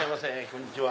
こんにちは。